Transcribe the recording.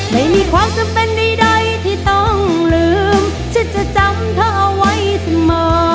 ไม่มีความจำเป็นใดที่ต้องลืมฉันจะจำเธอเอาไว้เสมอ